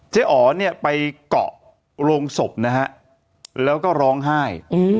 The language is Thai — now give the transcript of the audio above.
อ๋อเนี่ยไปเกาะโรงศพนะฮะแล้วก็ร้องไห้